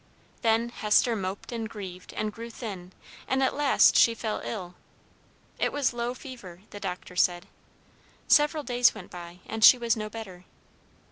Then Hester moped and grieved and grew thin, and at last she fell ill. It was low fever, the doctor said. Several days went by, and she was no better.